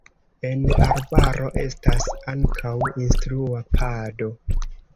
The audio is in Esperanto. En la arbaro estas ankaŭ instrua pado.